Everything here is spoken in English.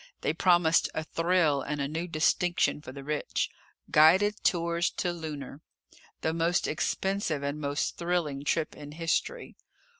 They promised a thrill and a new distinction for the rich. Guided tours to Lunar! The most expensive and most thrilling trip in history!